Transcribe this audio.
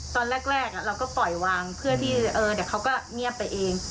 ตอนแรกเราก็ปล่อยวางเพื่อที่เดี๋ยวเขาก็เงียบไปเอง